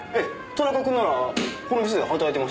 田中君ならこの店で働いてましたよ。